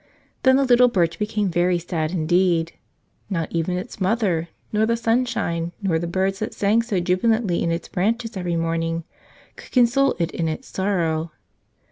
Then the little Birch became very sad indeed; not even its mother, nor the sunshine, nor the birds that sang so jubilantly in its branches every morning, could con¬ sole it in its sorrow.